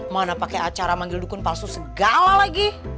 mana pakai acara manggil dukun palsu segala lagi